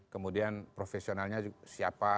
kemudian profesionalnya siapa